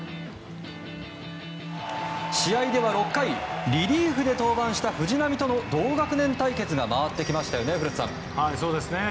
試合では６回リリーフで登板した藤浪との同学年対決が回ってきましたね古田さん。